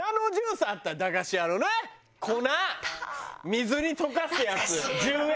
水に溶かすやつ１０円。